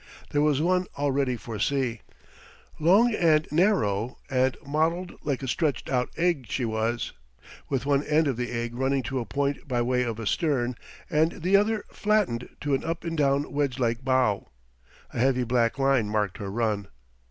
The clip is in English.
There was one all ready for sea. Long and narrow, and modelled like a stretched out egg she was, with one end of the egg running to a point by way of a stern, and the other flattened to an up and down wedge like bow. A heavy black line marked her run.